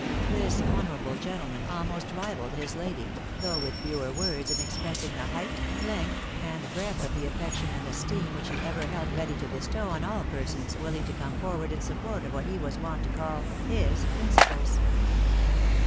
This honourable gentleman almost rivalled his lady, though with fewer words, in expressing the height, length, and breadth of the affection and esteem which he ever held ready to bestow on aU persons willing to come forward in support of what he was wont to call " HIS PRINCIPLES."